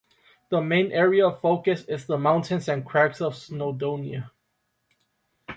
The main area of focus is the mountains and crags of Snowdonia.